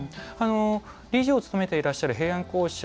理事を務めてらっしゃる平安講社